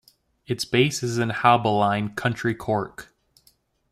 Its base is in Haulbowline, County Cork.